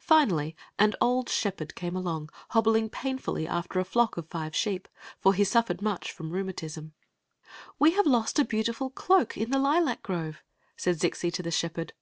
Finally an old shepherd came along, hobbling pain fully after a flock of five sheep; for he sufiP^%d much from rheumatism. We have lost a beautiful cloak in the lilac grove," said Zixi to the shepherd.